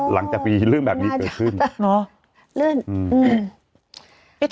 หลังจากปีเลื่อนแบบนี้เกิดขึ้นเนาะเลื่อนอืม